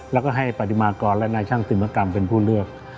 แล้วก็ให้ปฏิมากรและนายช่างติมกรรมเป็นผู้เลือก